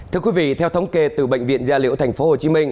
thưa quý vị theo thống kê từ bệnh viện gia liễu tp hcm